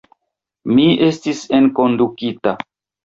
Mi estis enkondukita.